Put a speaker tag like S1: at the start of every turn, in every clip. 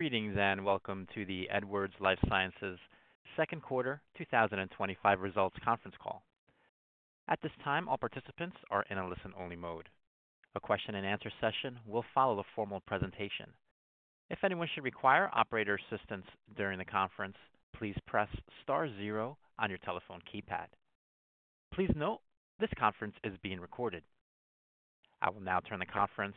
S1: Greetings and welcome to the Edwards Lifesciences second quarter 2025 results conference call. At this time, all participants are in a listen-only mode. A question-and-answer session will follow a formal presentation. If anyone should require operator assistance during the conference, please press star zero on your telephone keypad. Please note this conference is being recorded. I will now turn the conference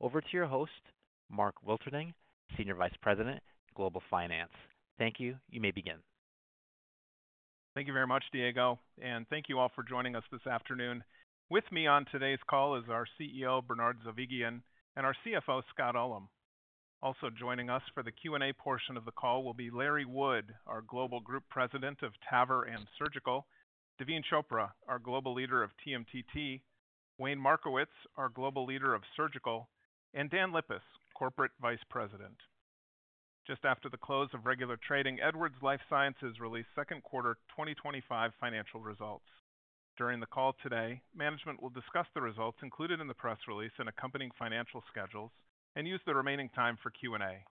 S1: over to your host, Mark Wilterding, Senior Vice President, Global Finance. Thank you. You may begin.
S2: Thank you very much, Diego. Thank you all for joining us this afternoon. With me on today's call is our CEO, Bernard Zovighian, and our CFO, Scott Ullem. Also joining us for the Q&A portion of the call will be Larry Wood, our Global Group President of TAVR and Surgical, Daveen Chopra, our Global Leader of TMTT, Wayne Markowitz, our Global Leader of Surgical, and Dan Lippis, Corporate Vice President. Just after the close of regular trading, Edwards Lifesciences released second quarter 2025 financial results. During the call today, management will discuss the results included in the press release and accompanying financial schedules, and use the remaining time for Q&A.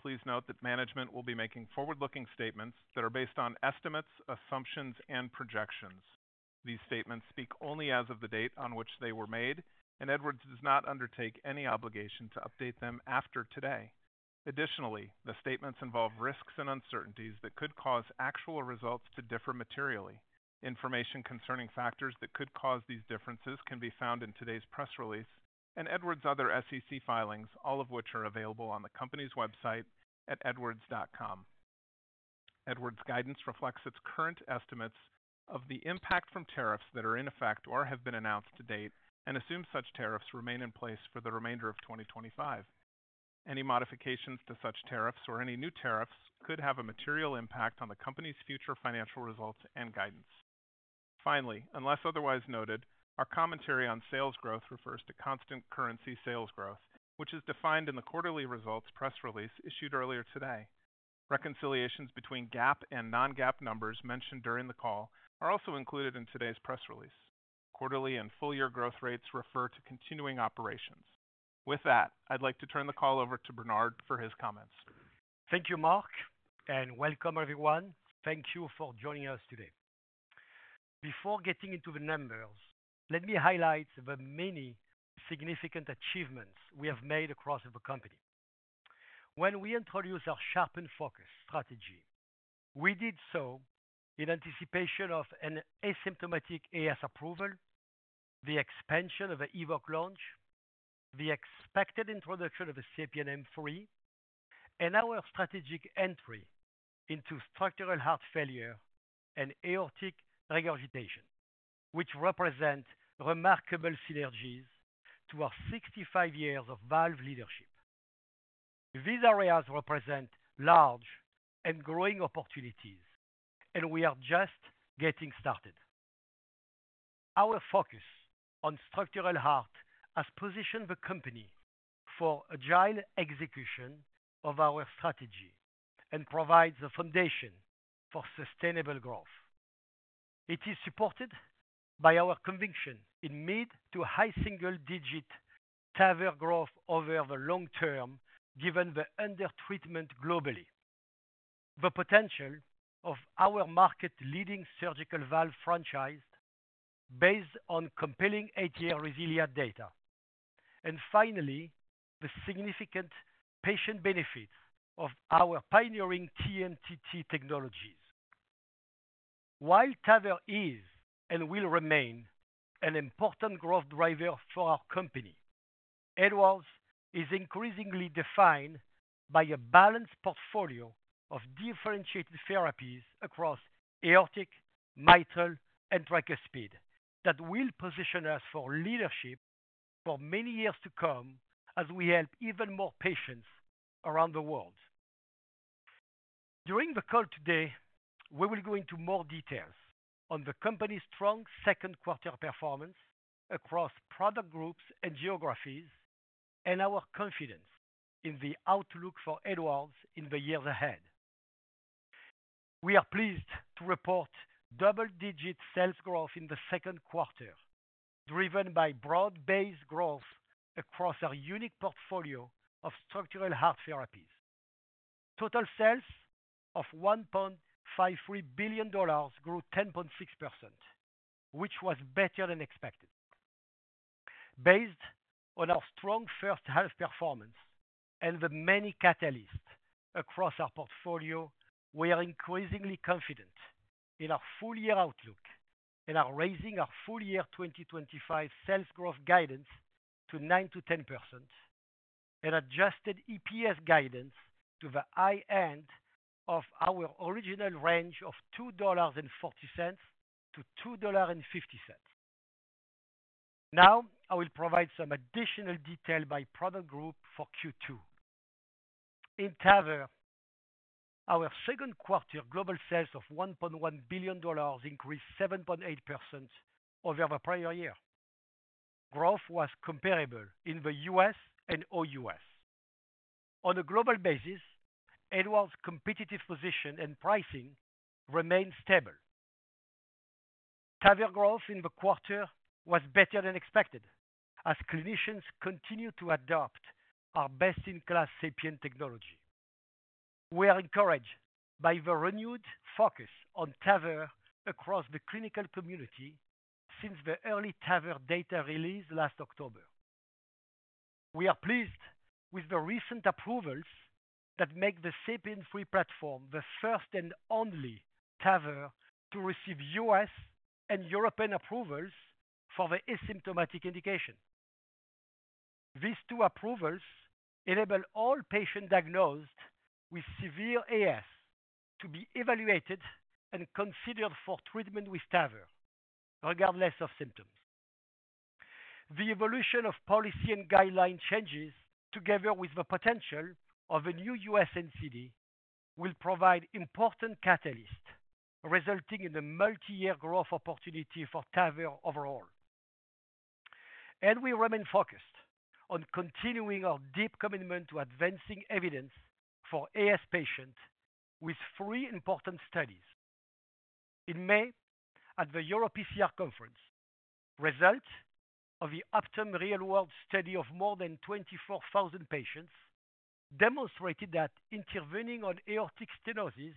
S2: Please note that management will be making forward-looking statements that are based on estimates, assumptions, and projections. These statements speak only as of the date on which they were made, and Edwards does not undertake any obligation to update them after today. Additionally, the statements involve risks and uncertainties that could cause actual results to differ materially. Information concerning factors that could cause these differences can be found in today's press release and Edwards' other SEC filings, all of which are available on the company's website at edwards.com. Edwards' guidance reflects its current estimates of the impact from tariffs that are in effect or have been announced to date, and assumes such tariffs remain in place for the remainder of 2025. Any modifications to such tariffs or any new tariffs could have a material impact on the company's future financial results and guidance. Finally, unless otherwise noted, our commentary on sales growth refers to constant currency sales growth, which is defined in the quarterly results press release issued earlier today. Reconciliations between GAAP and non-GAAP numbers mentioned during the call are also included in today's press release. Quarterly and full-year growth rates refer to continuing operations. With that, I'd like to turn the call over to Bernard for his comments.
S3: Thank you, Mark, and welcome, everyone. Thank you for joining us today. Before getting into the numbers, let me highlight the many significant achievements we have made across the company. When we introduced our sharpened focus strategy, we did so in anticipation of an asymptomatic AS approval. The expansion of an EVOQUE launch, the expected introduction of a SAPIEN M3. And our strategic entry into structural heart failure and aortic regurgitation, which represent remarkable synergies to our 65 years of valve leadership. These areas represent large and growing opportunities, and we are just getting started. Our focus on structural heart has positioned the company for agile execution of our strategy and provides a foundation for sustainable growth. It is supported by our conviction in mid to high single-digit TAVR growth over the long term, given the under-treatment globally. The potential of our market-leading surgical valve franchise. Based on compelling ATTR-Resilia data, and finally, the significant patient benefits of our pioneering TMTT technologies. While TAVR is and will remain an important growth driver for our company. Edwards is increasingly defined by a balanced portfolio of differentiated therapies across aortic, mitral, and tricuspid that will position us for leadership for many years to come as we help even more patients around the world. During the call today, we will go into more details on the company's strong second quarter performance across product groups and geographies and our confidence in the outlook for Edwards in the years ahead. We are pleased to report double-digit sales growth in the second quarter, driven by broad-based growth across our unique portfolio of structural heart therapies. Total sales of $1.53 billion grew 10.6%. Which was better than expected. Based on our strong first-half performance and the many catalysts across our portfolio, we are increasingly confident in our full-year outlook and are raising our full-year 2025 sales growth guidance to 9%-10%. And adjusted EPS guidance to the high end of our original range of $2.40-$2.50. Now, I will provide some additional detail by product group for Q2. In TAVR. Our second-quarter global sales of $1.1 billion increased 7.8% over the prior year. Growth was comparable in the U.S. and OUS. On a global basis, Edwards' competitive position and pricing remain stable. TAVR growth in the quarter was better than expected as clinicians continue to adopt our best-in-class SAPIEN Technology. We are encouraged by the renewed focus on TAVR across the clinical community since the early TAVR data released last October. We are pleased with the recent approvals that make the SAPIEN 3 platform the first and only TAVR to receive U.S. and European approvals for the asymptomatic indication. These two approvals enable all patients diagnosed with severe AS to be evaluated and considered for treatment with TAVR, regardless of symptoms. The evolution of policy and guideline changes, together with the potential of a new U.S. NCD, will provide important catalysts, resulting in a multi-year growth opportunity for TAVR overall. We remain focused on continuing our deep commitment to advancing evidence for AS patients with three important studies. In May, at the EuroPCR Conference, results of the Optum Real World study of more than 24,000 patients demonstrated that intervening on aortic stenosis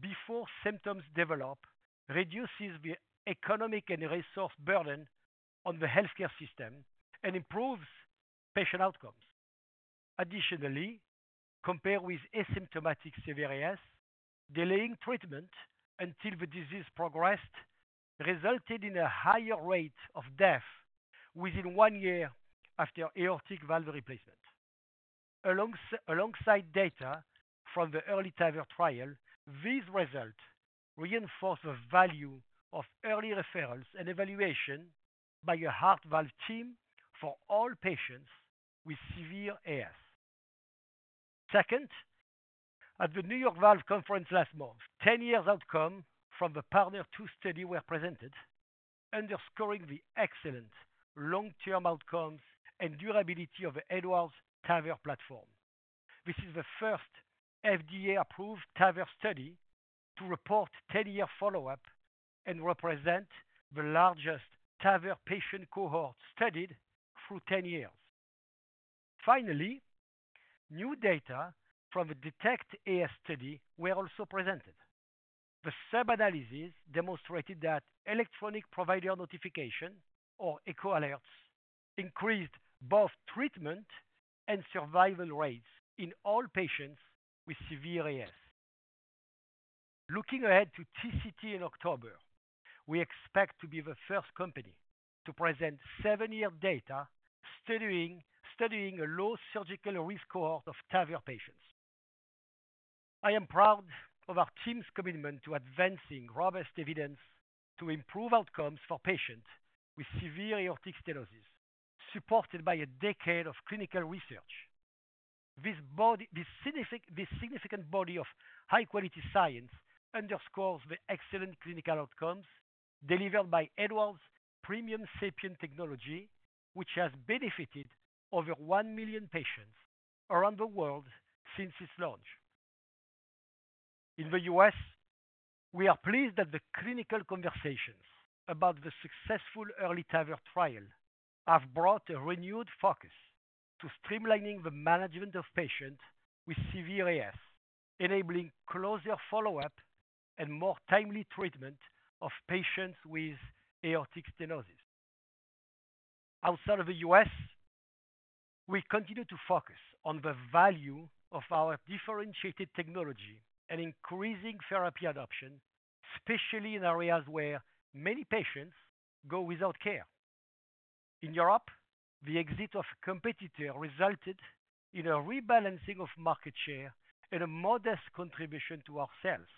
S3: before symptoms develop reduces the economic and resource burden on the healthcare system and improves patient outcomes. Additionally, compared with asymptomatic severe AS, delaying treatment until the disease progressed resulted in a higher rate of death within one year after aortic valve replacement. Alongside data from the early TAVR trial, these results reinforce the value of early referrals and evaluation by a heart valve team for all patients with severe AS. Second, at the New York Valve Conference last month, 10-year outcomes from the PARTNER 2 study were presented, underscoring the excellent long-term outcomes and durability of the Edwards TAVR platform. This is the first FDA-approved TAVR study to report 10-year follow-up and represents the largest TAVR patient cohort studied through 10 years. Finally, new data from the DETECT AS study were also presented. The sub-analysis demonstrated that electronic provider notification, or ECHO alerts, increased both treatment and survival rates in all patients with severe AS. Looking ahead to TCT in October, we expect to be the first company to present seven-year data studying a low surgical risk cohort of TAVR patients. I am proud of our team's commitment to advancing robust evidence to improve outcomes for patients with severe aortic stenosis, supported by a decade of clinical research. This significant body of high-quality science underscores the excellent clinical outcomes delivered by Edwards' premium SAPIEN Technology, which has benefited over 1 million patients around the world since its launch. In the U.S., we are pleased that the clinical conversations about the successful early TAVR trial have brought a renewed focus to streamlining the management of patients with severe AS, enabling closer follow-up and more timely treatment of patients with aortic stenosis. Outside of the U.S., we continue to focus on the value of our differentiated technology and increasing therapy adoption, especially in areas where many patients go without care. In Europe, the exit of a competitor resulted in a rebalancing of market share and a modest contribution to our sales.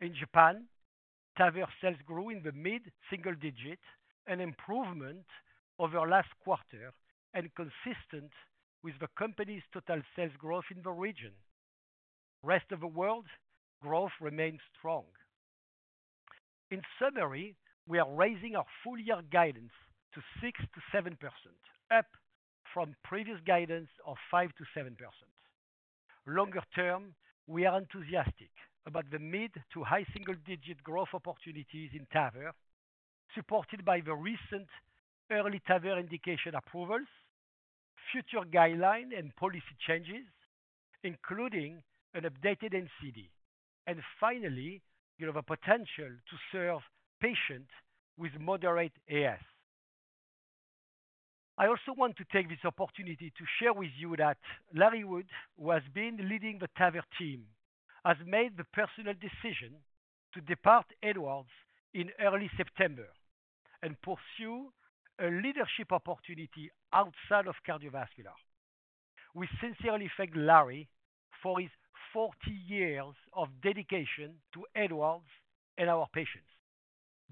S3: In Japan, TAVR sales grew in the mid-single digit, an improvement over last quarter and consistent with the company's total sales growth in the region. Rest of the world, growth remained strong. In summary, we are raising our full-year guidance to 6%-7%, up from previous guidance of 5%-7%. Longer term, we are enthusiastic about the mid to high single-digit growth opportunities in TAVR, supported by the recent early TAVR indication approvals, future guideline and policy changes, including an updated NCD. Finally, you have a potential to serve patients with moderate AS. I also want to take this opportunity to share with you that Larry Wood, who has been leading the TAVR team, has made the personal decision to depart Edwards in early September and pursue a leadership opportunity outside of cardiovascular. We sincerely thank Larry for his 40 years of dedication to Edwards and our patients.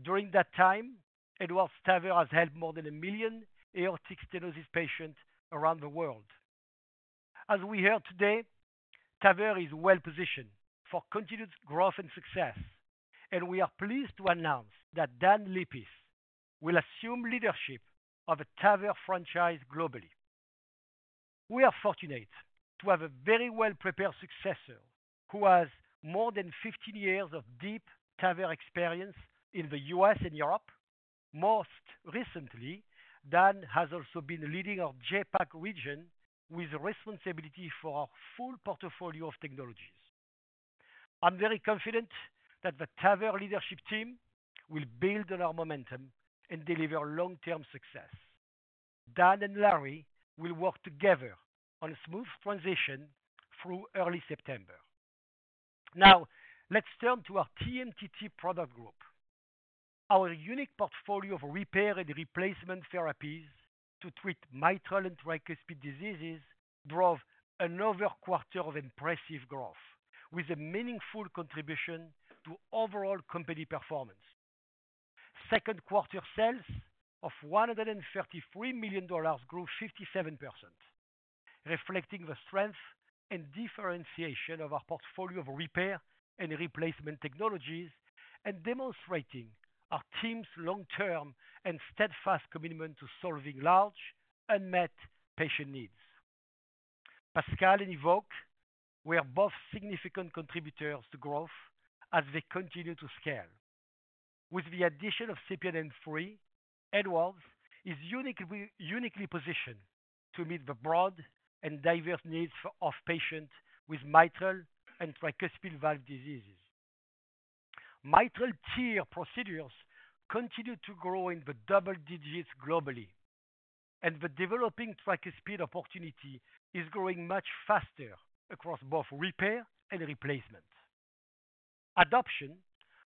S3: During that time, Edwards TAVR has helped more than a million aortic stenosis patients around the world. As we heard today, TAVR is well-positioned for continued growth and success, and we are pleased to announce that Dan Lippis will assume leadership of the TAVR franchise globally. We are fortunate to have a very well-prepared successor who has more than 15 years of deep TAVR experience in the U.S. and Europe. Most recently, Dan has also been leading our JPAC region with responsibility for our full portfolio of technologies. I'm very confident that the TAVR leadership team will build on our momentum and deliver long-term success. Dan and Larry will work together on a smooth transition through early September. Now, let's turn to our TMTT product group. Our unique portfolio of repair and replacement therapies to treat mitral and tricuspid diseases drove another quarter of impressive growth, with a meaningful contribution to overall company performance. Second-quarter sales of $133 million grew 57%, reflecting the strength and differentiation of our portfolio of repair and replacement technologies and demonstrating our team's long-term and steadfast commitment to solving large, unmet patient needs. Pascal and EVOQUE were both significant contributors to growth as they continued to scale. With the addition of SAPIEN M3, Edwards is uniquely positioned to meet the broad and diverse needs of patients with mitral and tricuspid valve diseases. Mitral TEER procedures continue to grow in the double digits globally, and the developing tricuspid opportunity is growing much faster across both repair and replacement. Adoption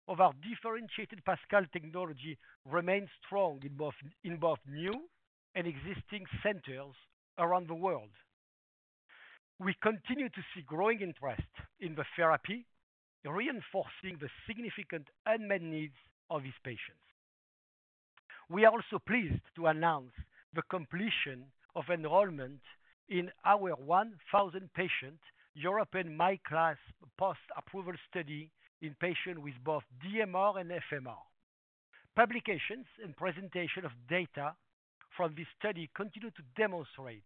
S3: of our differentiated Pascal Technology remains strong in both new and existing centers around the world. We continue to see growing interest in the therapy, reinforcing the significant unmet needs of these patients. We are also pleased to announce the completion of enrollment in our 1,000-patient European MyCLASP post-approval study in patients with both DMR and FMR. Publications and presentations of data from this study continue to demonstrate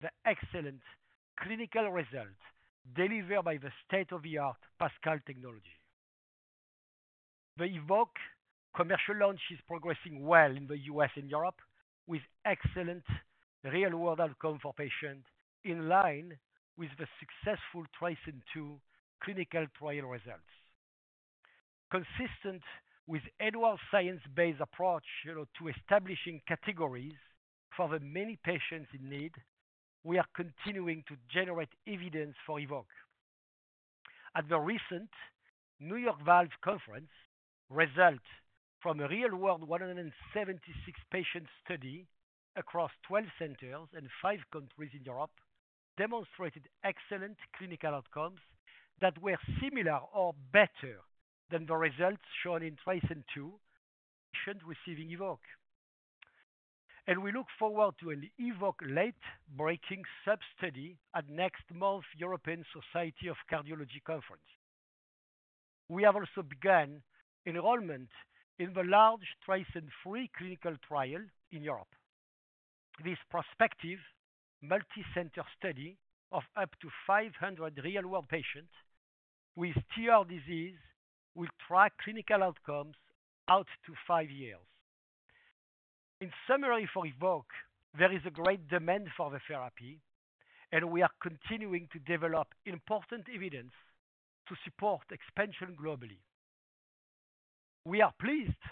S3: the excellent clinical results delivered by the state-of-the-art Pascal Technology. The EVOQUE commercial launch is progressing well in the U.S. and Europe, with excellent real-world outcomes for patients, in line with the successful TRISCEND II clinical trial results. Consistent with Edwards' science-based approach to establishing categories for the many patients in need, we are continuing to generate evidence for EVOQUE. At the recent New York Valve Conference, results from a real-world 176-patient study across 12 centers and five countries in Europe demonstrated excellent clinical outcomes that were similar or better than the results shown in TRISCEND II patients receiving EVOQUE. We look forward to an EVOQUE late-breaking sub-study at next month's European Society of Cardiology Conference. We have also begun enrollment in the large TRACING-FREE clinical trial in Europe. This prospective multi-center study of up to 500 real-world patients with TR disease will track clinical outcomes out to five years. In summary, for EVOQUE, there is a great demand for the therapy, and we are continuing to develop important evidence to support expansion globally. We are pleased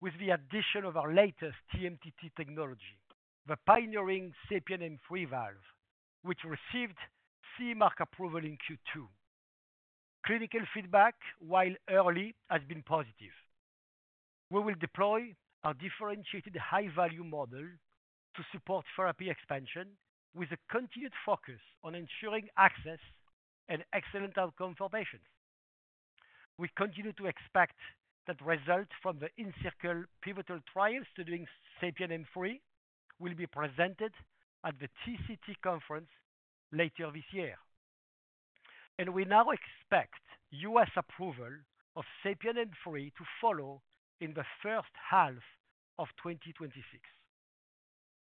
S3: with the addition of our latest TMTT technology, the pioneering SAPIEN M3 valve, which received CE Mark approval in Q2. Clinical feedback, while early, has been positive. We will deploy our differentiated high-value model to support therapy expansion, with a continued focus on ensuring access and excellent outcomes for patients. We continue to expect that results from the ENCIRCLE pivotal trial studying SAPIEN M3 will be presented at the TCT Conference later this year. We now expect U.S. approval of SAPIEN M3 to follow in the first half of 2026.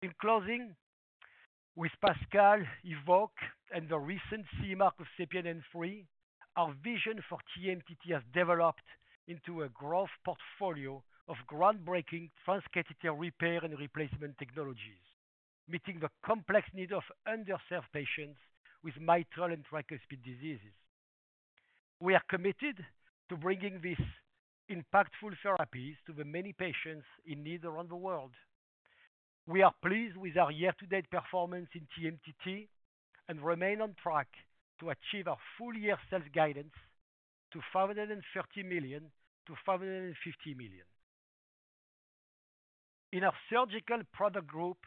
S3: In closing, with Pascal, EVOQUE, and the recent CE Mark of SAPIEN M3, our vision for TMTT has developed into a growth portfolio of groundbreaking transcatheter repair and replacement technologies, meeting the complex needs of underserved patients with mitral and tricuspid diseases. We are committed to bringing these impactful therapies to the many patients in need around the world. We are pleased with our year-to-date performance in TMTT and remain on track to achieve our full-year sales guidance to $530 million-$550 million. In our surgical product group,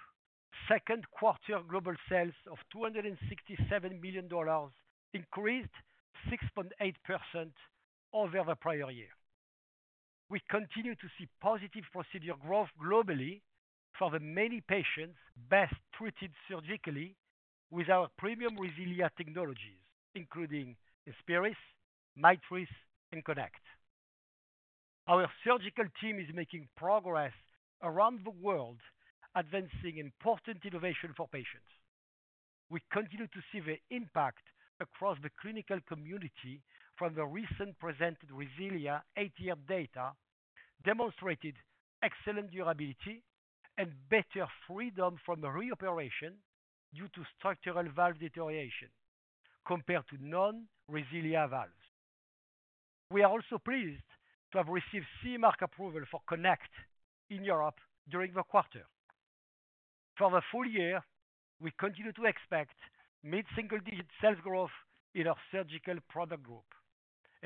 S3: second-quarter global sales of $267 million increased 6.8% over the prior year. We continue to see positive procedure growth globally for the many patients best treated surgically with our premium Resilia Technologies, including Insperis, Mitris, and Connect. Our surgical team is making progress around the world, advancing important innovation for patients. We continue to see the impact across the clinical community from the recent presented Resilia eight-year data, demonstrating excellent durability and better freedom from reoperation due to structural valve deterioration compared to non-Resilia valves. We are also pleased to have received CE Mark approval for Connect in Europe during the quarter. For the full year, we continue to expect mid-single digit sales growth in our surgical product group.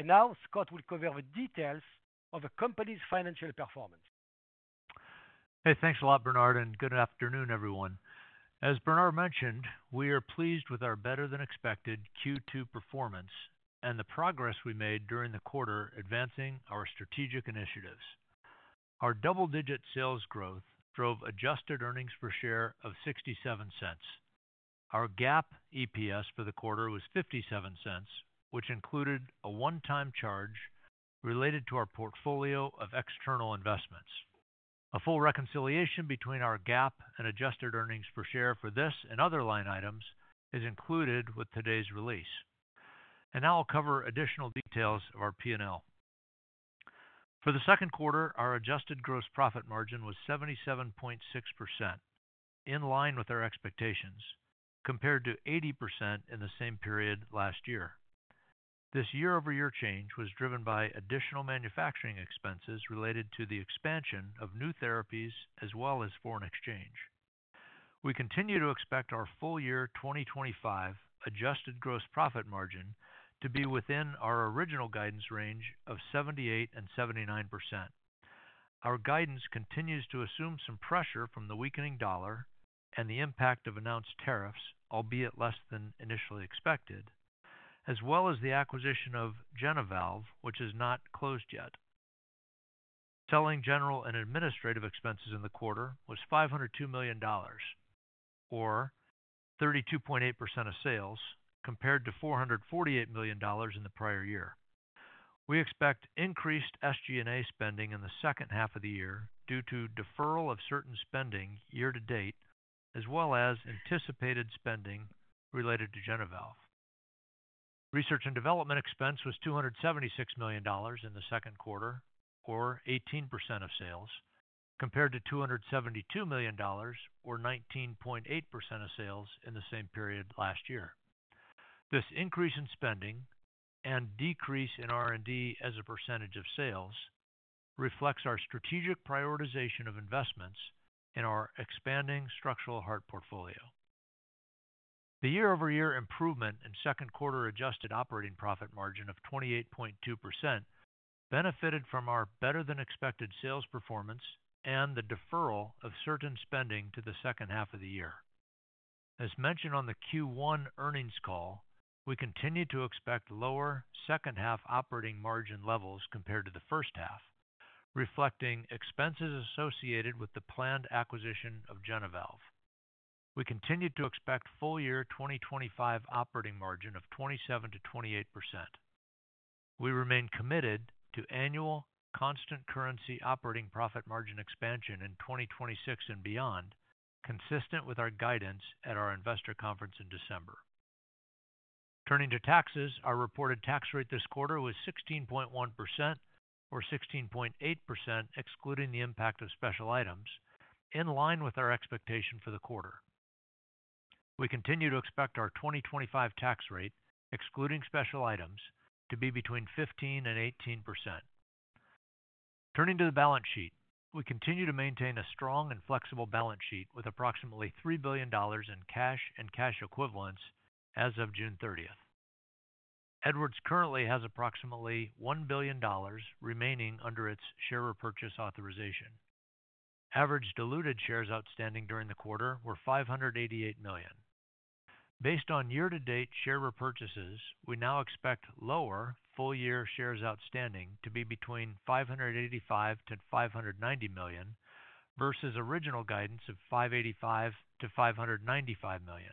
S3: Now, Scott will cover the details of the company's financial performance.
S4: Hey, thanks a lot, Bernard, and good afternoon, everyone. As Bernard mentioned, we are pleased with our better-than-expected Q2 performance and the progress we made during the quarter advancing our strategic initiatives. Our double-digit sales growth drove adjusted earnings per share of $0.67. Our GAAP EPS for the quarter was $0.57, which included a one-time charge related to our portfolio of external investments. A full reconciliation between our GAAP and adjusted earnings per share for this and other line items is included with today's release. Now I'll cover additional details of our P&L. For the second quarter, our adjusted gross profit margin was 77.6%, in line with our expectations, compared to 80% in the same period last year. This year-over-year change was driven by additional manufacturing expenses related to the expansion of new therapies, as well as foreign exchange. We continue to expect our full year 2025 adjusted gross profit margin to be within our original guidance range of 78%-79%. Our guidance continues to assume some pressure from the weakening dollar and the impact of announced tariffs, albeit less than initially expected, as well as the acquisition of JenaValve, which is not closed yet. Selling, general and administrative expenses in the quarter was $502 million, or 32.8% of sales, compared to $448 million in the prior year. We expect increased SG&A spending in the second half of the year due to deferral of certain spending year-to-date, as well as anticipated spending related to JenaValve. Research and development expense was $276 million in the second quarter, or 18% of sales, compared to $272 million, or 19.8% of sales, in the same period last year. This increase in spending and decrease in R&D as a percentage of sales reflects our strategic prioritization of investments in our expanding structural heart portfolio. The year-over-year improvement in second-quarter adjusted operating profit margin of 28.2% benefited from our better-than-expected sales performance and the deferral of certain spending to the second half of the year. As mentioned on the Q1 earnings call, we continue to expect lower second-half operating margin levels compared to the first half, reflecting expenses associated with the planned acquisition of JenaValve. We continue to expect full year 2025 operating margin of 27%-28%. We remain committed to annual constant currency operating profit margin expansion in 2026 and beyond, consistent with our guidance at our investor conference in December. Turning to taxes, our reported tax rate this quarter was 16.1%-16.8% excluding the impact of special items, in line with our expectation for the quarter. We continue to expect our 2025 tax rate, excluding special items, to be between 15%-18%. Turning to the balance sheet, we continue to maintain a strong and flexible balance sheet with approximately $3 billion in cash and cash equivalents as of June 30th. Edwards currently has approximately $1 billion remaining under its share repurchase authorization. Average diluted shares outstanding during the quarter were 588 million. Based on year-to-date share repurchases, we now expect lower full-year shares outstanding to be between 585 million-590 million versus original guidance of 585 million-595 million.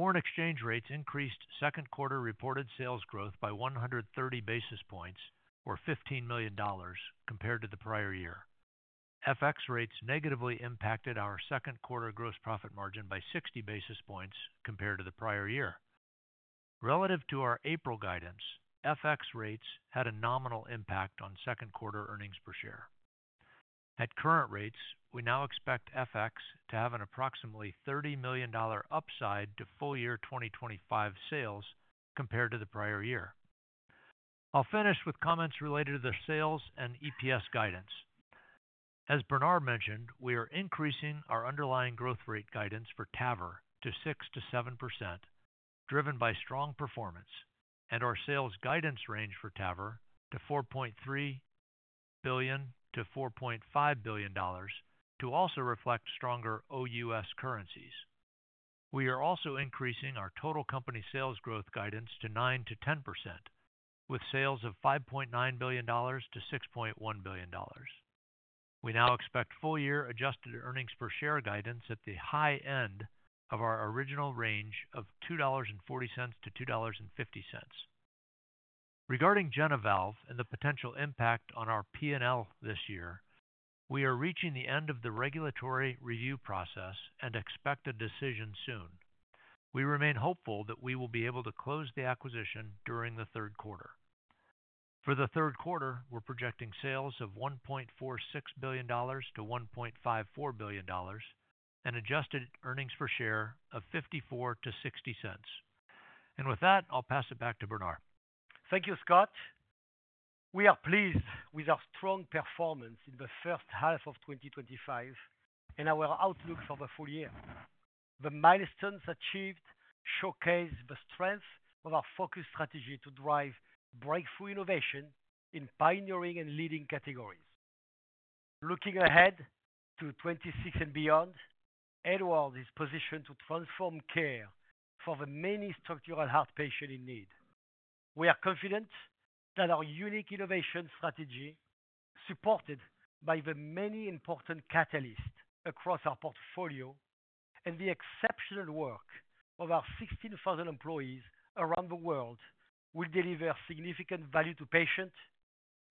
S4: Foreign exchange rates increased second-quarter reported sales growth by 130 basis points, or $15 million, compared to the prior year. FX rates negatively impacted our second-quarter gross profit margin by 60 basis points compared to the prior year. Relative to our April guidance, FX rates had a nominal impact on second-quarter earnings per share. At current rates, we now expect FX to have an approximately $30 million upside to full year 2025 sales compared to the prior year. I'll finish with comments related to the sales and EPS guidance. As Bernard mentioned, we are increasing our underlying growth rate guidance for TAVR to 6%-7%, driven by strong performance, and our sales guidance range for TAVR to $4.3 billion-$4.5 billion, to also reflect stronger OUS currencies. We are also increasing our total company sales growth guidance to 9%-10%, with sales of $5.9 billion-$6.1 billion. We now expect full-year adjusted earnings per share guidance at the high end of our original range of $2.40-$2.50. Regarding JenaValve and the potential impact on our P&L this year, we are reaching the end of the regulatory review process and expect a decision soon. We remain hopeful that we will be able to close the acquisition during the third quarter. For the third quarter, we're projecting sales of $1.46 billion-$1.54 billion and adjusted earnings per share of $0.54-$0.60. With that, I'll pass it back to Bernard.
S3: Thank you, Scott. We are pleased with our strong performance in the first half of 2025 and our outlook for the full year. The milestones achieved showcase the strength of our focused strategy to drive breakthrough innovation in pioneering and leading categories. Looking ahead to 2026 and beyond, Edwards is positioned to transform care for the many structural heart patients in need. We are confident that our unique innovation strategy, supported by the many important catalysts across our portfolio and the exceptional work of our 16,000 employees around the world, will deliver significant value to patients,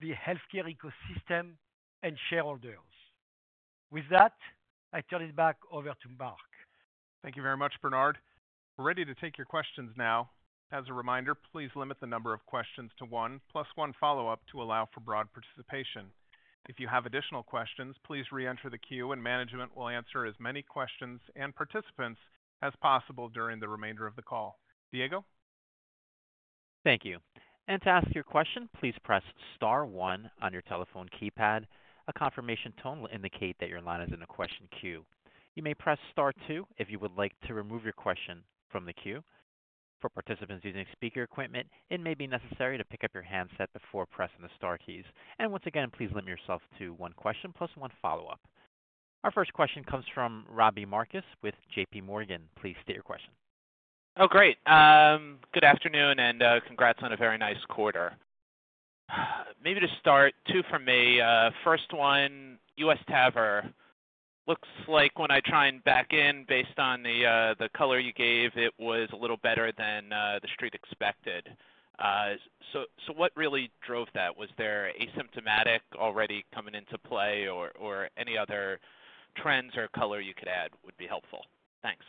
S3: the healthcare ecosystem, and shareholders. With that, I turn it back over to Mark.
S2: Thank you very much, Bernard. We're ready to take your questions now. As a reminder, please limit the number of questions to one, plus one follow-up to allow for broad participation. If you have additional questions, please re-enter the queue, and management will answer as many questions and participants as possible during the remainder of the call. Diego?
S1: Thank you. To ask your question, please press Star one on your telephone keypad. A confirmation tone will indicate that your line is in a question queue. You may press Star two if you would like to remove your question from the queue. For participants using speaker equipment, it may be necessary to pick up your handset before pressing the Star keys. Once again, please limit yourself to one question, plus one follow-up. Our first question comes from Robbie Marcus with JPMorgan. Please state your question.
S5: Oh, great. Good afternoon and congrats on a very nice quarter. Maybe to start, two for me. First one, U.S. TAVR. Looks like when I try and back in based on the color you gave, it was a little better than the street expected. What really drove that? Was there asymptomatic already coming into play, or any other trends or color you could add would be helpful? Thanks.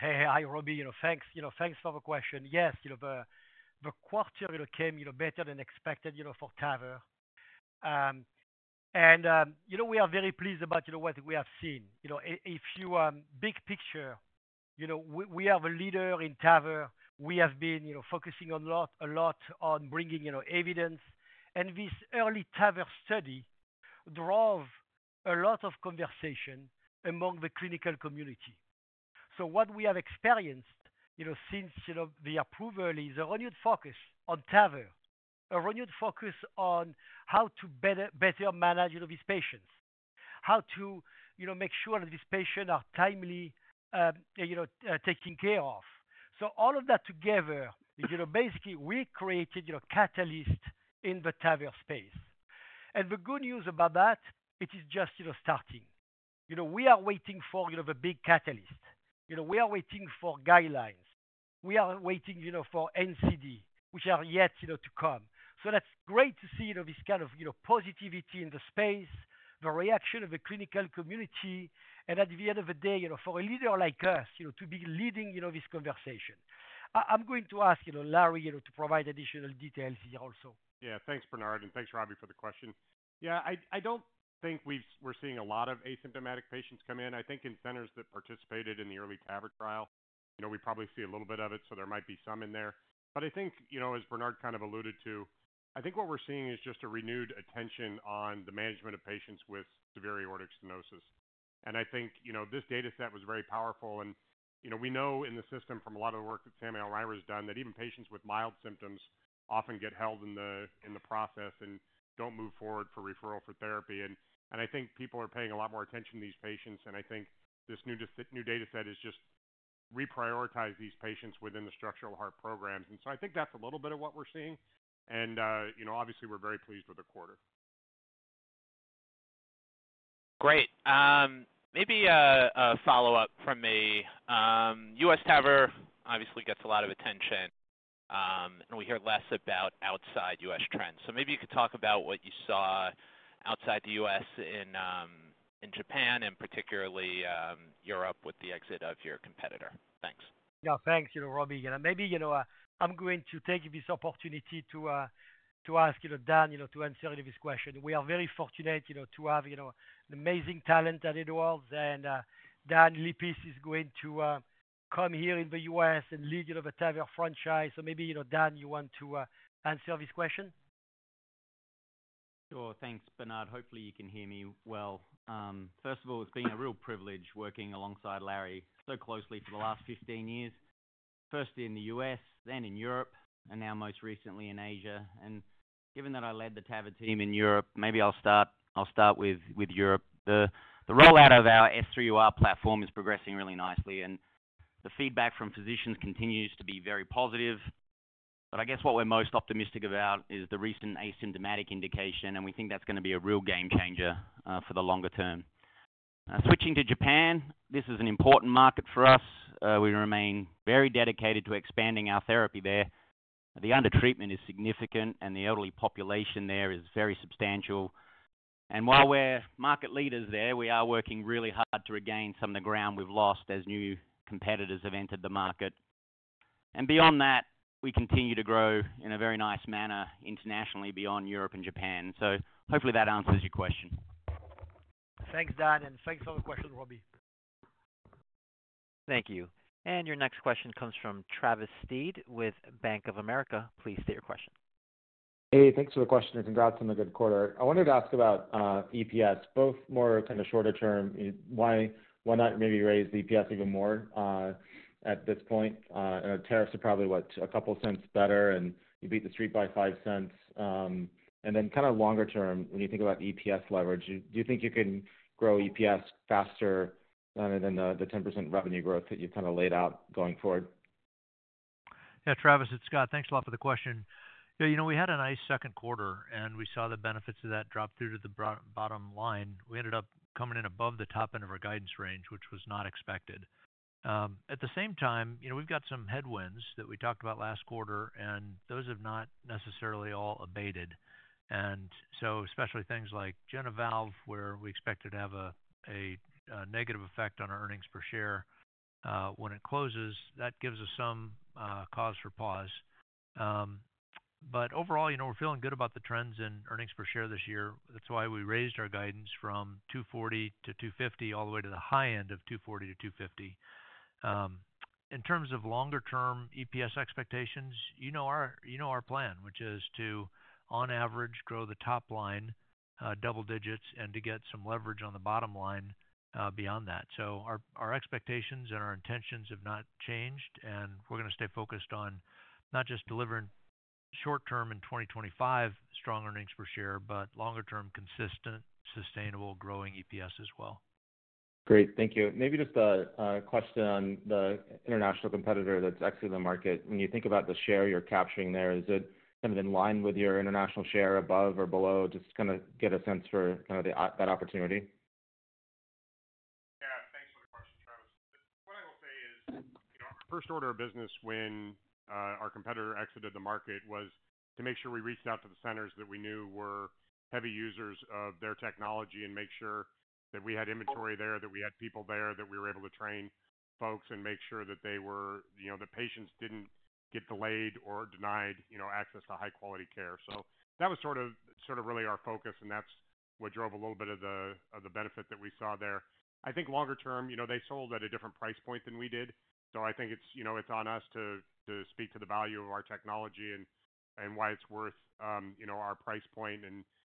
S3: Hey, hi, Robbie. Thanks for the question. Yes, the quarter came better than expected for TAVR. We are very pleased about what we have seen. If you big picture, we are the leader in TAVR. We have been focusing a lot on bringing evidence. This early TAVR study drove a lot of conversation among the clinical community. What we have experienced since the approval is a renewed focus on TAVR, a renewed focus on how to better manage these patients, how to make sure that these patients are timely, taken care of. All of that together, basically, we created a catalyst in the TAVR space. The good news about that, it is just starting. We are waiting for the big catalyst. We are waiting for guidelines. We are waiting for NCD, which are yet to come. That is great to see this kind of positivity in the space, the reaction of the clinical community. At the end of the day, for a leader like us to be leading this conversation. I am going to ask Larry to provide additional details here also.
S6: Yeah, thanks, Bernard. Thanks, Robbie, for the question. I do not think we are seeing a lot of asymptomatic patients come in. I think in centers that participated in the early TAVR trial, we probably see a little bit of it, so there might be some in there. As Bernard kind of alluded to, I think what we are seeing is just a renewed attention on the management of patients with severe aortic stenosis. This data set was very powerful. We know in the system from a lot of the work that Samuel Lemire has done that even patients with mild symptoms often get held in the process and do not move forward for referral for therapy. I think people are paying a lot more attention to these patients. This new data set is just reprioritizing these patients within the structural heart programs. That is a little bit of what we are seeing. Obviously, we are very pleased with the quarter.
S5: Great. Maybe a follow-up from me. U.S. TAVR obviously gets a lot of attention. We hear less about outside U.S. trends. Maybe you could talk about what you saw outside the U.S. in Japan, and particularly Europe with the exit of your competitor. Thanks.
S3: Yeah, thanks, Robbie. Maybe I am going to take this opportunity to ask Dan to answer this question. We are very fortunate to have an amazing talent at Edwards. Dan Lippis is going to come here in the U.S. and lead the TAVR franchise. Maybe, Dan, you want to answer this question?
S7: Sure. Thanks, Bernard. Hopefully, you can hear me well. First of all, it has been a real privilege working alongside Larry so closely for the last 15 years, first in the U.S., then in Europe, and now most recently in Asia. Given that I led the TAVR team in Europe, maybe I will start with Europe. The rollout of our S3 Ultra platform is progressing really nicely. The feedback from physicians continues to be very positive. I guess what we are most optimistic about is the recent asymptomatic indication. We think that is going to be a real game changer for the longer term. Switching to Japan, this is an important market for us. We remain very dedicated to expanding our therapy there. The under-treatment is significant, and the elderly population there is very substantial. While we are market leaders there, we are working really hard to regain some of the ground we have lost as new competitors have entered the market. Beyond that, we continue to grow in a very nice manner internationally beyond Europe and Japan. Hopefully, that answers your question.
S3: Thanks, Dan. Thanks for the question, Robbie.
S5: Thank you.
S1: Your next question comes from Travis Steed with Bank of America. Please state your question.
S8: Hey, thanks for the question. Congrats on a good quarter. I wanted to ask about EPS, both more kind of shorter term. Why not maybe raise the EPS even more at this point? The tariffs are probably, what, a couple cents better, and you beat the street by five cents. Then kind of longer term, when you think about EPS leverage, do you think you can grow EPS faster than the 10% revenue growth that you have kind of laid out going forward?
S4: Yeah, Travis, it is Scott. Thanks a lot for the question. Yeah, we had a nice second quarter, and we saw the benefits of that drop through to the bottom line. We ended up coming in above the top end of our guidance range, which was not expected. At the same time, we have some headwinds that we talked about last quarter, and those have not necessarily all abated. Especially things like JenaValve, where we expect to have a negative effect on our earnings per share. When it closes, that gives us some cause for pause. Overall, we are feeling good about the trends in earnings per share this year. That is why we raised our guidance from $2.40-$2.50 all the way to the high end of $2.40-$2.50. In terms of longer-term EPS expectations, you know our plan, which is to, on average, grow the top line double-digits and to get some leverage on the bottom line beyond that. Our expectations and our intentions have not changed, and we are going to stay focused on not just delivering short-term in 2025 strong earnings per share, but longer-term consistent, sustainable, growing EPS as well.
S8: Great. Thank you. Maybe just a question on the international competitor that has exited the market. When you think about the share you are capturing there, is it kind of in line with your international share above or below? Just kind of get a sense for that opportunity.
S4: Yeah, thanks for the question, Travis. What I will say is. Our first order of business when our competitor exited the market was to make sure we reached out to the centers that we knew were heavy users of their technology and make sure that we had inventory there, that we had people there, that we were able to train folks and make sure that the patients did not get delayed or denied access to high-quality care. That was sort of really our focus, and that is what drove a little bit of the benefit that we saw there. I think longer term, they sold at a different price point than we did. I think it is on us to speak to the value of our technology and why it is worth our price point.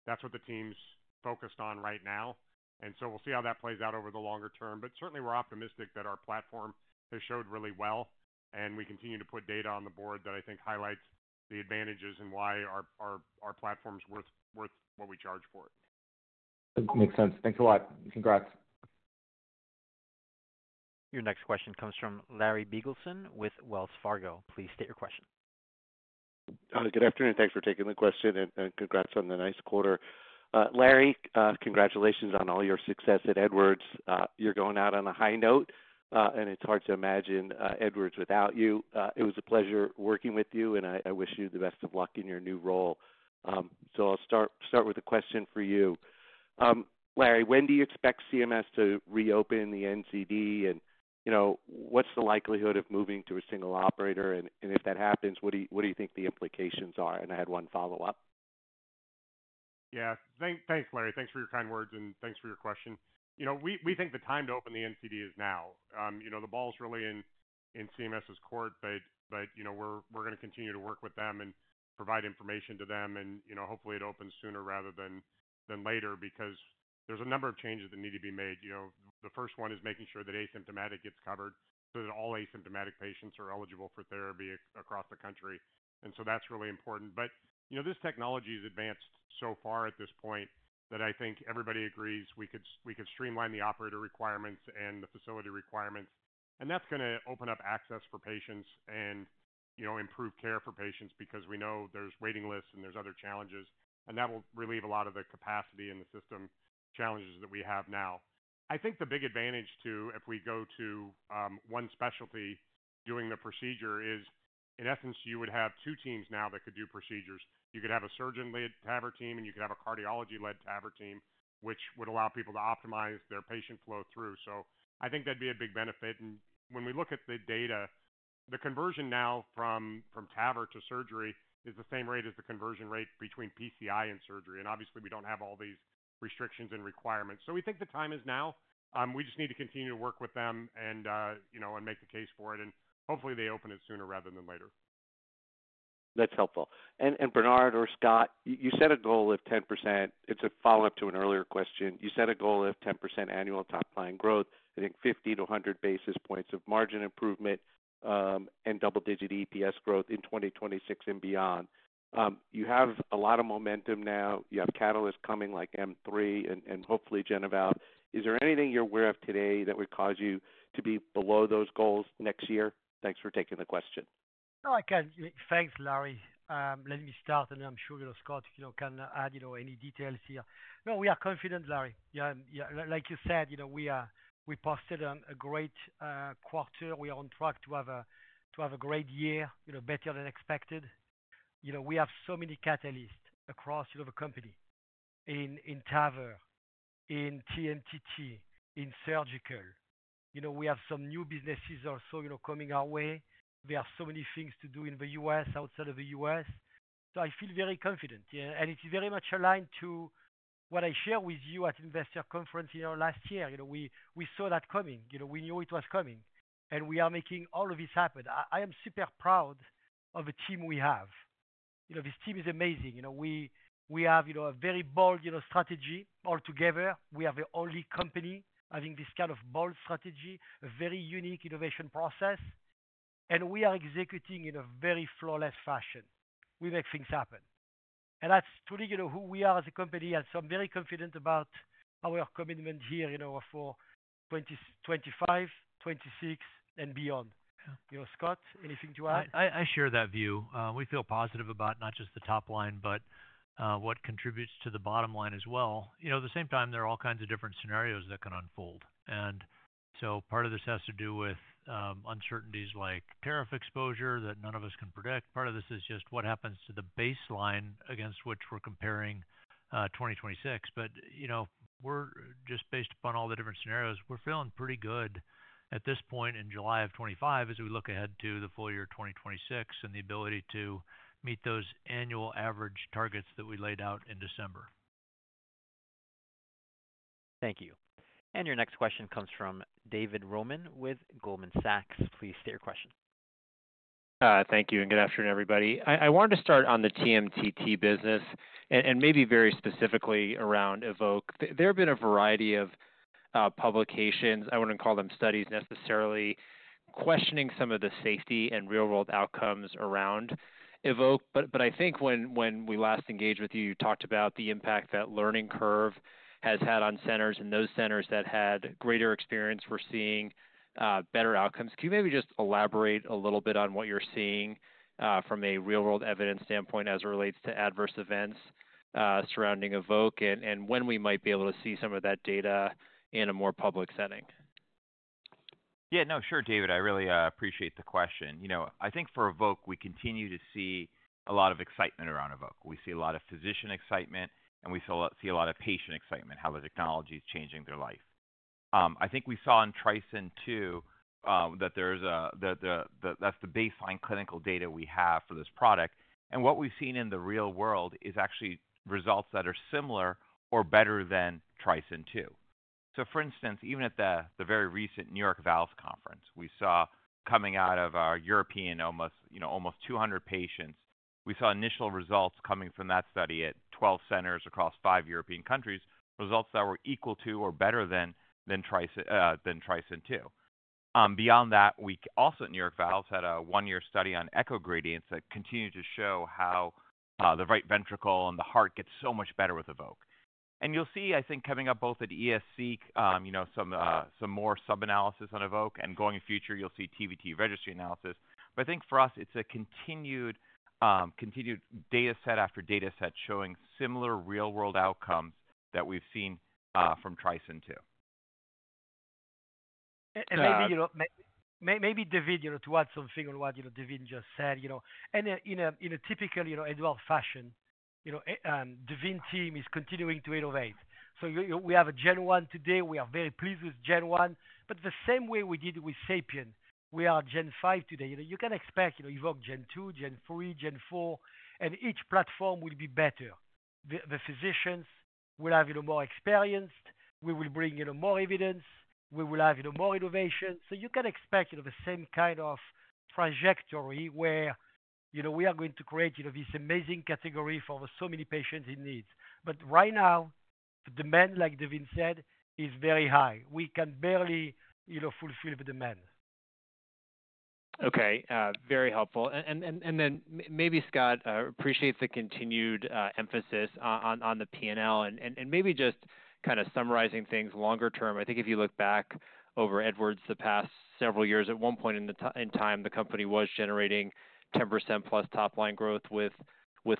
S4: That is what the team's focused on right now. We will see how that plays out over the longer term. Certainly, we are optimistic that our platform has showed really well. We continue to put data on the board that I think highlights the advantages and why our platform is worth what we charge for it.
S8: Makes sense. Thanks a lot. Congrats.
S1: Your next question comes from Larry Biegelsen with Wells Fargo. Please state your question.
S9: Good afternoon. Thanks for taking the question and congrats on the nice quarter. Larry, congratulations on all your success at Edwards. You are going out on a high note, and it is hard to imagine Edwards without you. It was a pleasure working with you, and I wish you the best of luck in your new role. I will start with a question for you. Larry, when do you expect CMS to reopen the NCD, and what is the likelihood of moving to a single operator? If that happens, what do you think the implications are? I had one follow-up.
S6: Yeah. Thanks, Larry. Thanks for your kind words, and thanks for your question. We think the time to open the NCD is now. The ball is really in CMS's court, but we are going to continue to work with them and provide information to them. Hopefully, it opens sooner rather than later because there are a number of changes that need to be made. The first one is making sure that asymptomatic gets covered so that all asymptomatic patients are eligible for therapy across the country. That is really important. This technology has advanced so far at this point that I think everybody agrees we could streamline the operator requirements and the facility requirements. That is going to open up access for patients and improve care for patients because we know there are waiting lists and there are other challenges. That will relieve a lot of the capacity and the system challenges that we have now. I think the big advantage too, if we go to one specialty doing the procedure is, in essence, you would have two teams now that could do procedures. You could have a surgeon-led TAVR team, and you could have a cardiology-led TAVR team, which would allow people to optimize their patient flow through. I think that'd be a big benefit. When we look at the data, the conversion now from TAVR to surgery is the same rate as the conversion rate between PCI and surgery. Obviously, we do not have all these restrictions and requirements. We think the time is now. We just need to continue to work with them and make the case for it. Hopefully, they open it sooner rather than later.
S9: That's helpful. Bernard or Scott, you set a goal of 10%. It's a follow-up to an earlier question. You set a goal of 10% annual top-line growth, I think 50 basis point-100 basis points of margin improvement, and double-digit EPS growth in 2026 and beyond. You have a lot of momentum now. You have catalysts coming like M3 and hopefully JenaValve. Is there anything you're aware of today that would cause you to be below those goals next year? Thanks for taking the question.
S3: Oh, thanks, Larry. Let me start, and then I'm sure Scott can add any details here. No, we are confident, Larry. Like you said, we posted a great quarter. We are on track to have a great year, better than expected. We have so many catalysts across the company. In TAVR, in TMTT, in surgical. We have some new businesses also coming our way. There are so many things to do in the U.S., outside of the U.S. I feel very confident. It is very much aligned to what I shared with you at the investor conference last year. We saw that coming. We knew it was coming. We are making all of this happen. I am super proud of the team we have. This team is amazing. We have a very bold strategy altogether. We are the only company having this kind of bold strategy, a very unique innovation process. We are executing in a very flawless fashion. We make things happen. That is truly who we are as a company. I am very confident about our commitment here for 2025, 2026, and beyond. Scott, anything to add?
S4: I share that view. We feel positive about not just the top line, but what contributes to the bottom line as well. At the same time, there are all kinds of different scenarios that can unfold. Part of this has to do with uncertainties like tariff exposure that none of us can predict. Part of this is just what happens to the baseline against which we're comparing 2026. Just based upon all the different scenarios, we're feeling pretty good at this point in July of 2025 as we look ahead to the full year 2026 and the ability to meet those annual average targets that we laid out in December.
S9: Thank you.
S1: Your next question comes from David Roman with Goldman Sachs. Please state your question.
S10: Thank you. Good afternoon, everybody. I wanted to start on the TMTT business and maybe very specifically around EVOQUE. There have been a variety of publications—I would not call them studies necessarily—questioning some of the safety and real-world outcomes around EVOQUE. I think when we last engaged with you, you talked about the impact that learning curve has had on centers. Those centers that had greater experience were seeing better outcomes. Can you maybe just elaborate a little bit on what you are seeing from a real-world evidence standpoint as it relates to adverse events surrounding EVOQUE and when we might be able to see some of that data in a more public setting?
S7: Yeah. No, sure, David. I really appreciate the question. I think for EVOQUE, we continue to see a lot of excitement around EVOQUE. We see a lot of physician excitement, and we see a lot of patient excitement, how the technology is changing their life. I think we saw in TRISCEND II that is the baseline clinical data we have for this product. What we have seen in the real world is actually results that are similar or better than TRISCEND II. For instance, even at the very recent New York Valves conference, we saw coming out of our European almost 200 patients, we saw initial results coming from that study at 12 centers across five European countries, results that were equal to or better than TRISCEND II. Beyond that, we also at New York Valves had a one-year study on echo gradients that continued to show how the right ventricle and the heart get so much better with EVOQUE. You will see, I think, coming up both at ESC, some more sub-analysis on EVOQUE. Going in the future, you will see TVT Registry analysis. I think for us, it is a data set after data set showing similar real-world outcomes that we have seen from TRISCEND II.
S3: Maybe, Daveen, to add something on what David just said. In a typical Edwards fashion, the TMTT team is continuing to innovate. We have a Gen1 today. We are very pleased with Gen1. The same way we did with SAPIEN, we are Gen5 today. You can expect EVOQUE Gen2, Gen3, Gen4, and each platform will be better. The physicians will have more experience. We will bring more evidence. We will have more innovation. You can expect the same kind of trajectory where we are going to create this amazing category for so many patients in need. Right now, the demand, like Daveen said, is very high. We can barely fulfill the demand.
S10: Okay. Very helpful. Maybe, Scott, I appreciate the continued emphasis on the P&L and maybe just kind of summarizing things longer term. I think if you look back over Edwards the past several years, at one point in time, the company was generating 10%+ top-line growth with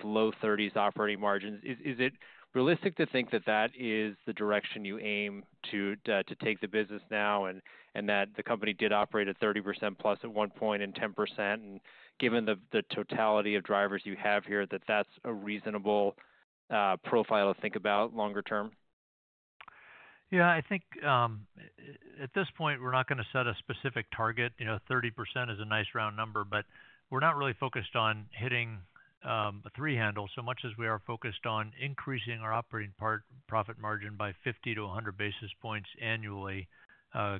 S10: low 30s operating margins. Is it realistic to think that that is the direction you aim to take the business now and that the company did operate at 30%+ at one point and 10%? And given the totality of drivers you have here, that that's a reasonable profile to think about longer term?
S4: Yeah. I think at this point, we're not going to set a specific target. 30% is a nice round number, but we're not really focused on hitting a three-handle so much as we are focused on increasing our operating profit margin by 50 basis point-100 basis points annually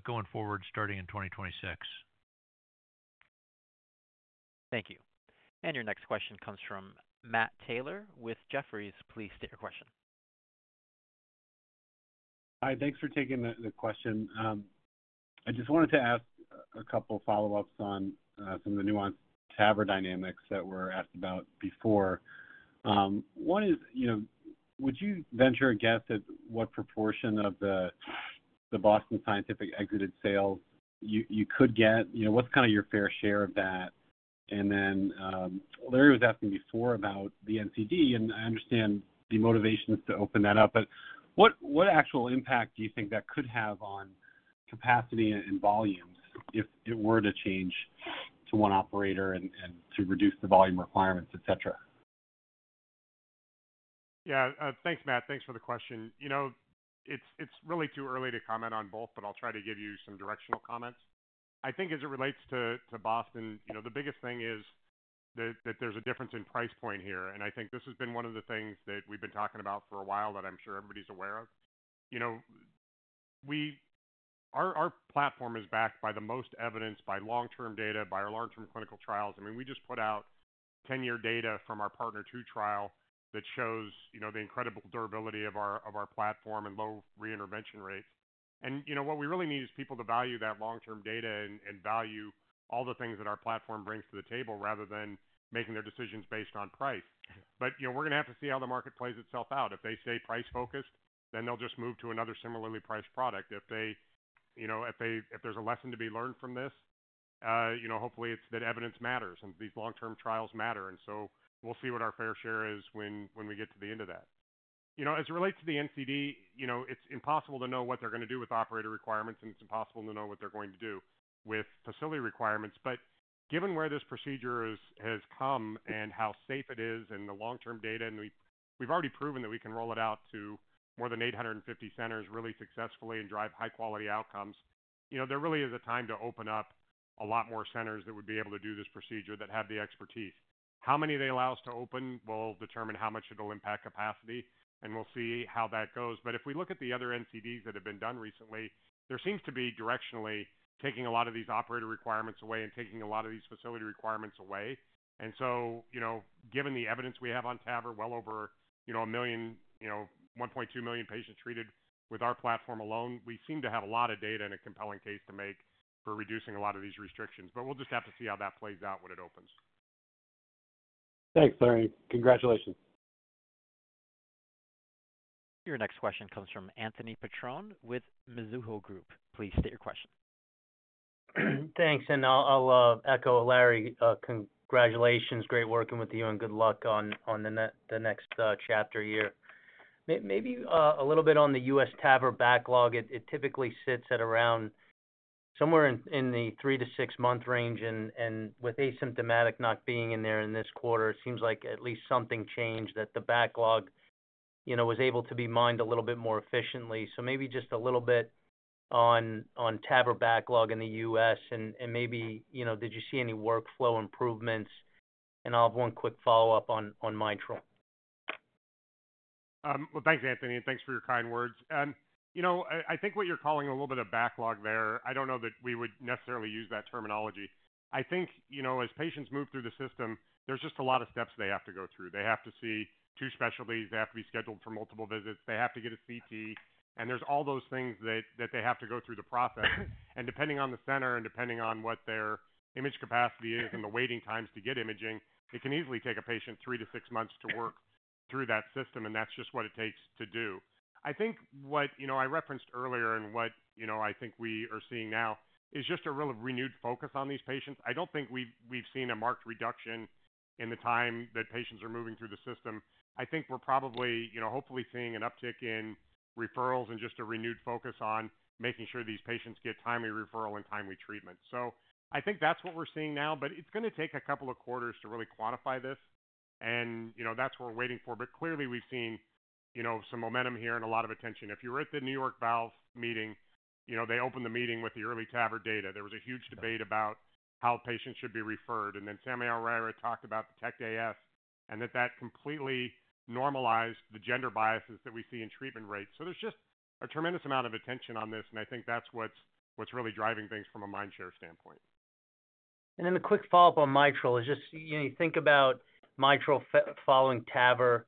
S4: going forward starting in 2026.
S1: Thank you. And your next question comes from Matt Taylor with Jefferies. Please state your question.
S11: Hi. Thanks for taking the question. I just wanted to ask a couple of follow-ups on some of the nuanced TAVR dynamics that were asked about before. One is, would you venture a guess at what proportion of the Boston Scientific exited sales you could get? What's kind of your fair share of that? And then Larry was asking before about the NCD, and I understand the motivations to open that up. But what actual impact do you think that could have on capacity and volumes if it were to change to one operator and to reduce the volume requirements, etc.?
S6: Yeah. Thanks, Matt. Thanks for the question. It's really too early to comment on both, but I'll try to give you some directional comments. I think as it relates to Boston, the biggest thing is that there's a difference in price point here. And I think this has been one of the things that we've been talking about for a while that I'm sure everybody's aware of. Our platform is backed by the most evidence, by long-term data, by our long-term clinical trials. I mean, we just put out 10-year data from our PARTNER 2 trial that shows the incredible durability of our platform and low re-intervention rates. And what we really need is people to value that long-term data and value all the things that our platform brings to the table rather than making their decisions based on price. But we're going to have to see how the market plays itself out. If they stay price-focused, then they'll just move to another similarly priced product. If there's a lesson to be learned from this, hopefully, it's that evidence matters and these long-term trials matter. And so we'll see what our fair share is when we get to the end of that. As it relates to the NCD, it's impossible to know what they're going to do with operator requirements, and it's impossible to know what they're going to do with facility requirements. Given where this procedure has come and how safe it is and the long-term data, and we've already proven that we can roll it out to more than 850 centers really successfully and drive high-quality outcomes, there really is a time to open up a lot more centers that would be able to do this procedure that have the expertise. How many they allow us to open will determine how much it'll impact capacity, and we'll see how that goes. If we look at the other NCDs that have been done recently, there seems to be directionally taking a lot of these operator requirements away and taking a lot of these facility requirements away. Given the evidence we have on TAVR, well over 1.2 million patients treated with our platform alone, we seem to have a lot of data and a compelling case to make for reducing a lot of these restrictions. We'll just have to see how that plays out when it opens.
S11: Thanks, Larry. Congratulations.
S1: Your next question comes from Anthony Petrone with Mizuho Group. Please state your question.
S12: Thanks. I'll echo Larry. Congratulations. Great working with you, and good luck on the next chapter here. Maybe a little bit on the U.S. TAVR backlog. It typically sits at around somewhere in the three to six-month range. With asymptomatic not being in there in this quarter, it seems like at least something changed that the backlog was able to be mined a little bit more efficiently. Maybe just a little bit on TAVR backlog in the U.S., and maybe did you see any workflow improvements? I'll have one quick follow-up on mitral.
S6: Thanks, Anthony. Thanks for your kind words. I think what you're calling a little bit of backlog there, I don't know that we would necessarily use that terminology. I think as patients move through the system, there's just a lot of steps they have to go through. They have to see two specialties. They have to be scheduled for multiple visits. They have to get a CT. There are all those things that they have to go through the process. Depending on the center and depending on what their image capacity is and the waiting times to get imaging, it can easily take a patient three to six months to work through that system. That's just what it takes to do. I think what I referenced earlier and what I think we are seeing now is just a real renewed focus on these patients. I don't think we've seen a marked reduction in the time that patients are moving through the system. I think we're probably hopefully seeing an uptick in referrals and just a renewed focus on making sure these patients get timely referral and timely treatment. I think that's what we're seeing now. It's going to take a couple of quarters to really quantify this. That's what we're waiting for. Clearly, we've seen some momentum here and a lot of attention. If you were at the New York Valves meeting, they opened the meeting with the early TAVR data. There was a huge debate about how patients should be referred. Samuel O'Reara talked about the DETECT AS and that completely normalized the gender biases that we see in treatment rates. There is just a tremendous amount of attention on this. I think that's what's really driving things from a mind share standpoint.
S12: A quick follow-up on mitral is just you think about mitral following TAVR,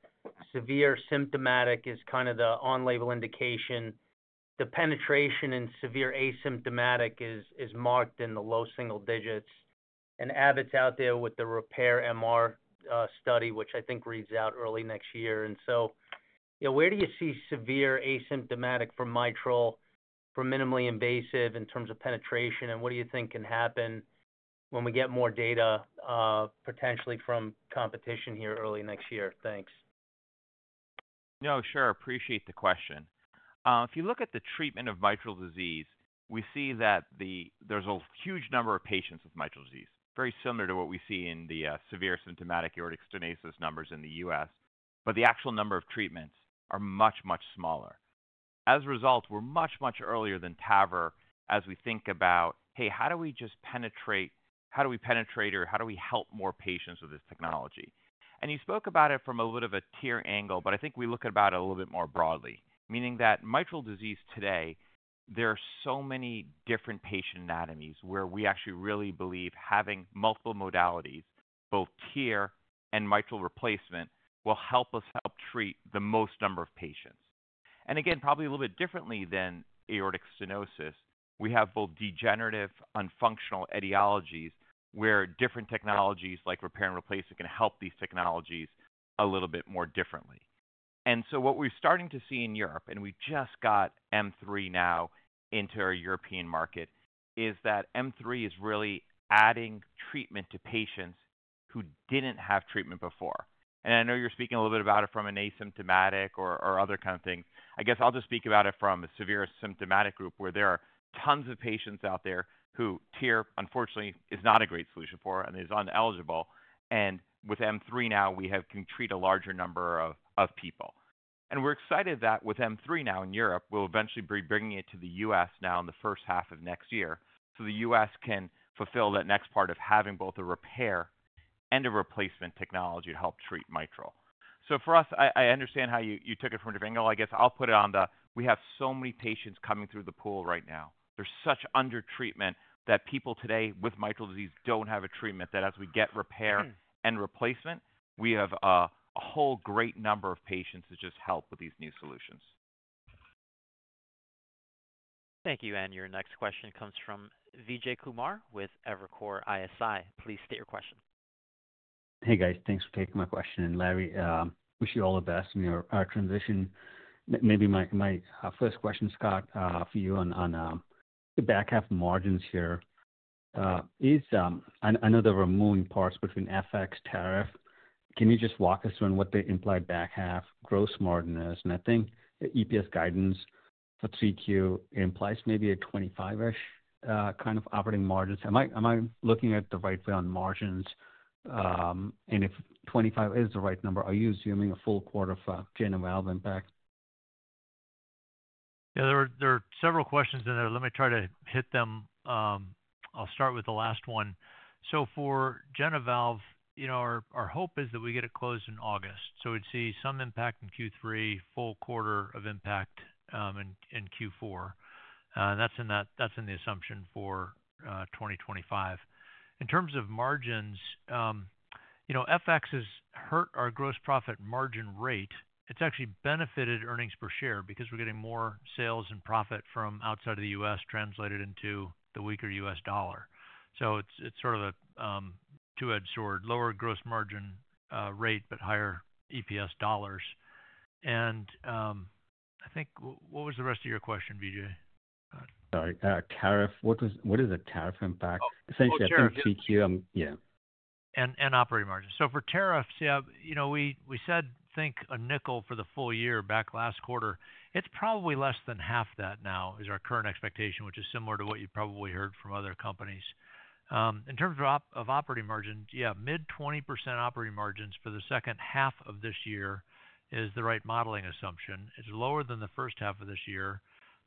S12: severe symptomatic is kind of the on-label indication. The penetration in severe asymptomatic is marked in the low single-digits. Abbott's out there with the repair MR study, which I think reads out early next year. Where do you see severe asymptomatic for mitral for minimally invasive in terms of penetration? What do you think can happen when we get more data, potentially from competition here early next year? Thanks.
S6: No, sure. Appreciate the question.
S7: If you look at the treatment of mitral disease, we see that there's a huge number of patients with mitral disease, very similar to what we see in the severe symptomatic aortic stenosis numbers in the U.S. But the actual number of treatments are much, much smaller. As a result, we're much, much earlier than TAVR as we think about, "Hey, how do we just penetrate? How do we penetrate? Or how do we help more patients with this technology?" You spoke about it from a little bit of a tier angle, but I think we look at it a little bit more broadly, meaning that mitral disease today, there are so many different patient anatomies where we actually really believe having multiple modalities, both tier and mitral replacement, will help us help treat the most number of patients. Probably a little bit differently than aortic stenosis, we have both degenerative and functional etiologies where different technologies like repair and replacement can help these technologies a little bit more differently. What we're starting to see in Europe, and we just got M3 now into our European market, is that M3 is really adding treatment to patients who didn't have treatment before. I know you're speaking a little bit about it from an asymptomatic or other kind of thing. I guess I'll just speak about it from a severe symptomatic group where there are tons of patients out there who tier, unfortunately, is not a great solution for and is uneligible. With M3 now, we can treat a larger number of people. We're excited that with M3 now in Europe, we'll eventually be bringing it to the U.S. now in the first half of next year so the U.S. can fulfill that next part of having both a repair and a replacement technology to help treat mitral. For us, I understand how you took it from different angles. I guess I'll put it on the, we have so many patients coming through the pool right now. There's such under treatment that people today with mitral disease don't have a treatment that as we get repair and replacement, we have a whole great number of patients that just help with these new solutions.
S1: Thank you. Your next question comes from Vijay Kumar with Evercore ISI. Please state your question.
S13: Hey, guys. Thanks for taking my question. Larry, wish you all the best. Our transition, maybe my first question, Scott, for you on the back half margins here. I know there were moving parts between FX, tariff. Can you just walk us through on what the implied back half gross margin is? I think the EPS guidance for 3Q implies maybe a 25-ish kind of operating margins. Am I looking at the right way on margins? If 25 is the right number, are you assuming a full quarter for JenaValve impact?
S4: Yeah. There are several questions in there. Let me try to hit them. I'll start with the last one. For JenaValve, our hope is that we get it closed in August. We'd see some impact in Q3, full quarter of impact in Q4. That's in the assumption for 2025. In terms of margins, FX has hurt our gross profit margin rate. It's actually benefited earnings per share because we're getting more sales and profit from outside of the U.S. translated into the weaker U.S. dollar. It's sort of a two-edged sword, lower gross margin rate, but higher EPS dollars. I think what was the rest of your question, Vijay?
S13: Tariff. What is a tariff impact? Essentially, I think CQ.
S4: And operating margin. For tariffs, yeah, we said, think a nickel for the full year back last quarter. It's probably less than half that now is our current expectation, which is similar to what you probably heard from other companies. In terms of operating margins, yeah, mid-20% operating margins for the second half of this year is the right modeling assumption. It's lower than the first half of this year,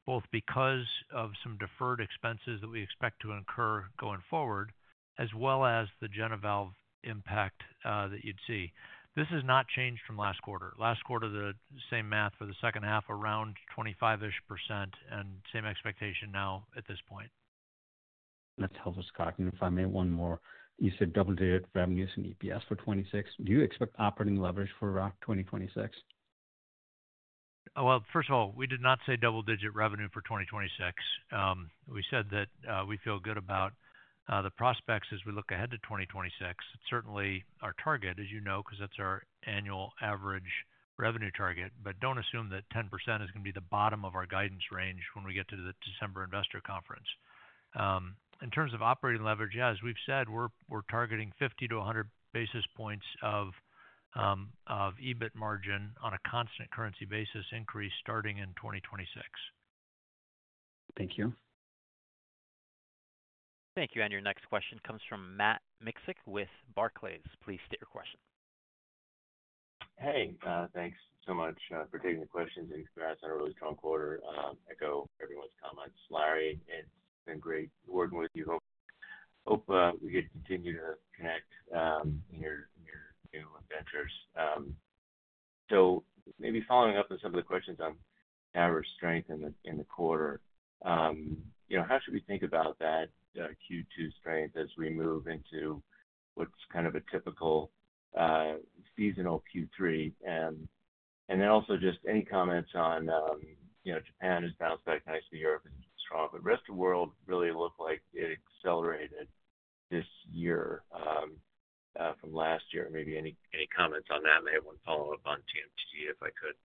S4: both because of some deferred expenses that we expect to incur going forward, as well as the JenaValve impact that you'd see. This has not changed from last quarter. Last quarter, the same math for the second half, around 25-ish percent and same expectation now at this point.
S13: Let's help us, Scott. If I may, one more. You said double-digit revenues and EPS for 2026. Do you expect operating leverage for 2026?
S4: First of all, we did not say double-digit revenue for 2026. We said that we feel good about the prospects as we look ahead to 2026. It's certainly our target, as you know, because that's our annual average revenue target. Do not assume that 10% is going to be the bottom of our guidance range when we get to the December investor conference. In terms of operating leverage, as we've said, we're targeting 50 basis point-100 basis points of EBIT margin on a constant currency basis increase starting in 2026.
S13: Thank you.
S1: Thank you. Your next question comes from Matt Miksic with Barclays. Please state your question.
S14: Hey, thanks so much for taking the questions in advance. I know it was a strong quarter. Echo everyone's comments. Larry, it's been great working with you. Hope we could continue to connect in your new ventures. Maybe following up on some of the questions on TAVR strength in the quarter. How should we think about that Q2 strength as we move into what's kind of a typical seasonal Q3? Also, just any comments on Japan has bounced back nicely. Europe is strong. The rest of the world really looked like it accelerated this year from last year. Maybe any comments on that? I have one follow-up on TMTT, if I could.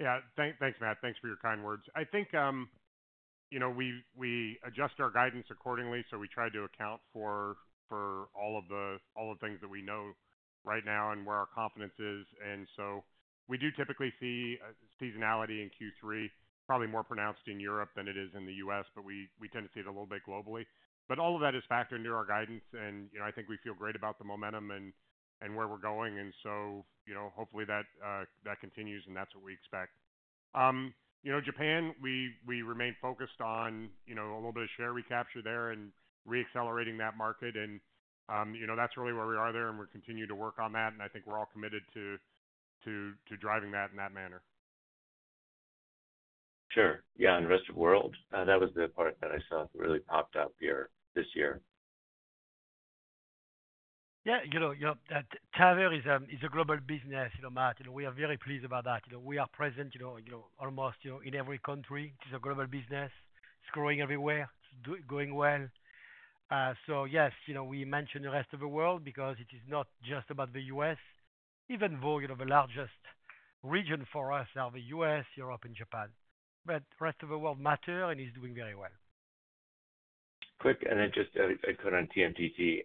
S6: Yeah. Thanks, Matt. Thanks for your kind words. I think we adjust our guidance accordingly. We try to account for all of the things that we know right now and where our confidence is. We do typically see seasonality in Q3, probably more pronounced in Europe than it is in the U.S., but we tend to see it a little bit globally. All of that is factored into our guidance. I think we feel great about the momentum and where we're going. Hopefully that continues, and that's what we expect. Japan, we remain focused on a little bit of share recapture there and re-accelerating that market. That's really where we are there, and we're continuing to work on that. I think we're all committed to driving that in that manner.
S14: Sure. Yeah. The rest of the world, that was the part that I saw that really popped up here this year.
S3: Yeah. TAVR is a global business, Matt. We are very pleased about that. We are present almost in every country. It is a global business. It's growing everywhere. It's going well. Yes, we mention the rest of the world because it is not just about the U.S. Even though the largest region for us are the U.S., Europe, and Japan. The rest of the world matters, and it's doing very well.
S14: Quick, and then just a quote on TMTT.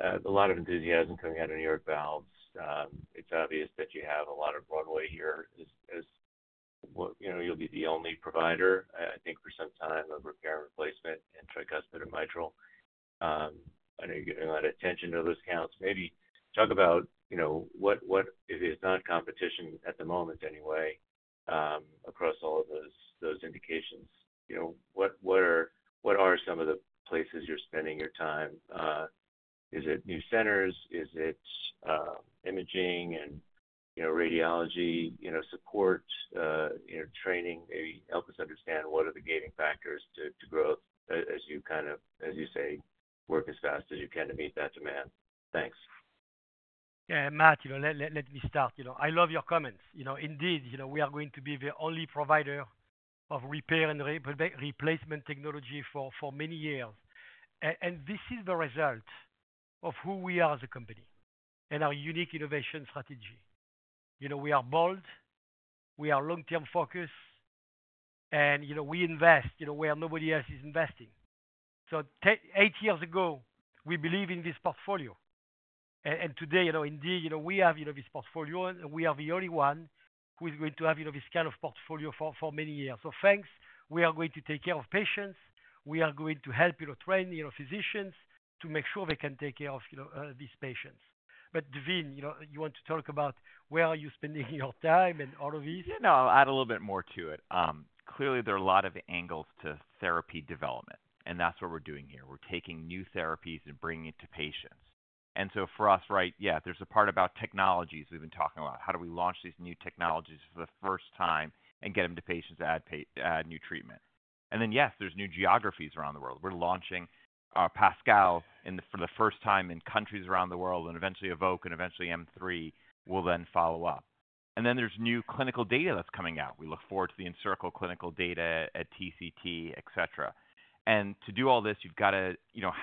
S14: A lot of enthusiasm coming out of New York Valves. It's obvious that you have a lot of runway here as. You'll be the only provider, I think, for some time of repair and replacement in tricuspid and mitral. I know you're getting a lot of attention to those counts. Maybe talk about what is not competition at the moment anyway. Across all of those indications, what are some of the places you're spending your time? Is it new centers? Is it imaging and radiology support? Training? Maybe help us understand what are the gating factors to growth as you kind of, as you say, work as fast as you can to meet that demand. Thanks.
S3: Yeah. Matt, let me start. I love your comments. Indeed, we are going to be the only provider of repair and replacement technology for many years. And this is the result of who we are as a company and our unique innovation strategy. We are bold. We are long-term focused. And we invest where nobody else is investing. So eight years ago, we believed in this portfolio. And today, indeed, we have this portfolio, and we are the only one who is going to have this kind of portfolio for many years. So thanks. We are going to take care of patients. We are going to help train physicians to make sure they can take care of these patients. But Vijay, you want to talk about where are you spending your time and all of this?
S7: Yeah. No, I'll add a little bit more to it. Clearly, there are a lot of angles to therapy development, and that's what we're doing here. We're taking new therapies and bringing it to patients. And so for us, right, yeah, there's a part about technologies we've been talking about. How do we launch these new technologies for the first time and get them to patients to add new treatment? And then, yes, there's new geographies around the world. We're launching Pascal for the first time in countries around the world, and eventually EVOQUE and eventually M3 will then follow up. And then there's new clinical data that's coming out. We look forward to the ENCIRCLE clinical data at TCT, etc. And to do all this, you've got to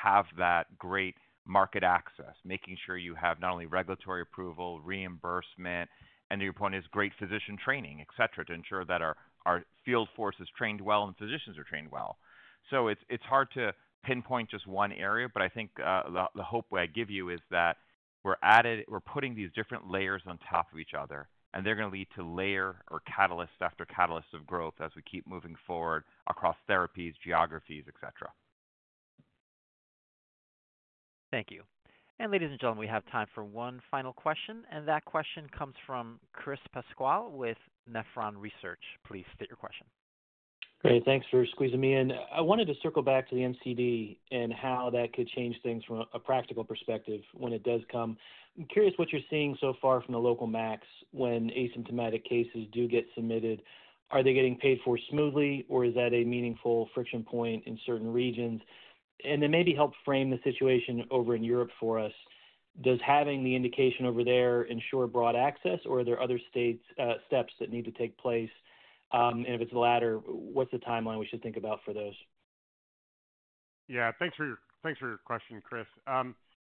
S7: have that great market access, making sure you have not only regulatory approval, reimbursement, and to your point, great physician training, etc., to ensure that our field force is trained well and physicians are trained well. It's hard to pinpoint just one area, but I think the hope I give you is that we're putting these different layers on top of each other, and they're going to lead to layer or catalyst after catalyst of growth as we keep moving forward across therapies, geographies, etc.
S1: Thank you. And ladies and gentlemen, we have time for one final question. And that question comes from Chris Pasquale with Nephron Research. Please state your question.
S15: Great. Thanks for squeezing me in. I wanted to circle back to the NCD and how that could change things from a practical perspective when it does come. I'm curious what you're seeing so far from the local MACs when asymptomatic cases do get submitted. Are they getting paid for smoothly, or is that a meaningful friction point in certain regions? Maybe help frame the situation over in Europe for us. Does having the indication over there ensure broad access, or are there other steps that need to take place? If it's the latter, what's the timeline we should think about for those?
S6: Yeah. Thanks for your question, Chris.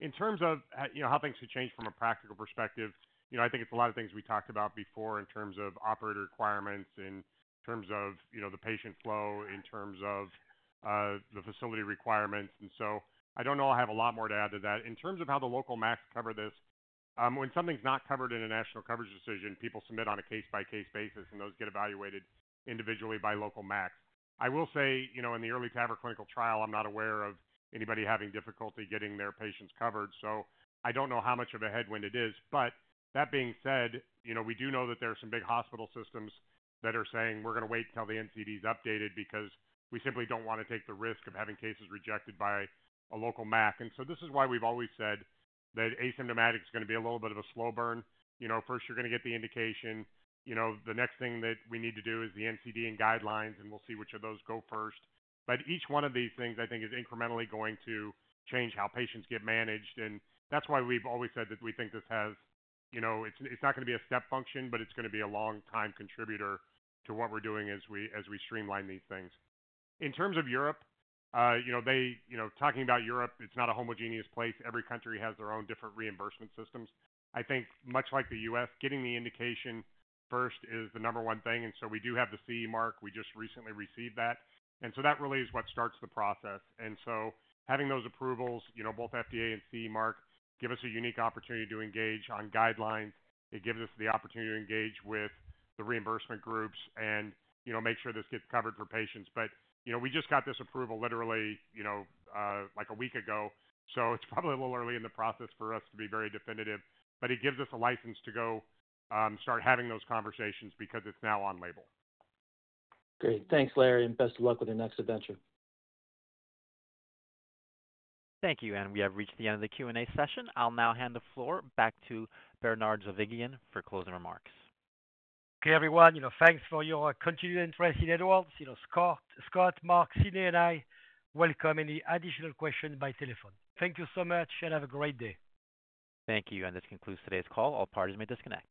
S6: In terms of how things could change from a practical perspective, I think it's a lot of things we talked about before in terms of operator requirements and in terms of the patient flow, in terms of the facility requirements. I don't know I have a lot more to add to that. In terms of how the local MACs cover this, when something's not covered in a national coverage decision, people submit on a case-by-case basis, and those get evaluated individually by local MACs. I will say in the early TAVR clinical trial, I'm not aware of anybody having difficulty getting their patients covered. I don't know how much of a headwind it is. That being said, we do know that there are some big hospital systems that are saying, "We're going to wait until the NCD is updated because we simply don't want to take the risk of having cases rejected by a local MAC." This is why we've always said that asymptomatic is going to be a little bit of a slow burn. First, you're going to get the indication. The next thing that we need to do is the NCD and guidelines, and we'll see which of those go first. Each one of these things, I think, is incrementally going to change how patients get managed. That's why we've always said that we think this has. It's not going to be a step function, but it's going to be a long-time contributor to what we're doing as we streamline these things. In terms of Europe. Talking about Europe, it's not a homogeneous place. Every country has their own different reimbursement systems. I think, much like the US, getting the indication first is the number one thing. We do have the CE Mark. We just recently received that. That really is what starts the process. Having those approvals, both FDA and CE Mark, give us a unique opportunity to engage on guidelines. It gives us the opportunity to engage with the reimbursement groups and make sure this gets covered for patients. We just got this approval literally like a week ago. It's probably a little early in the process for us to be very definitive. But it gives us a license to go start having those conversations because it's now on label.
S15: Great. Thanks, Larry, and best of luck with your next adventure.
S1: Thank you. We have reached the end of the Q&A session. I'll now hand the floor back to Bernard Zovighian for closing remarks.
S3: Okay, everyone. Thanks for your continued interest in Edwards. Scott, Mark, Sidney, and I welcome any additional questions by telephone. Thank you so much, and have a great day.
S1: Thank you. This concludes today's call. All parties may disconnect.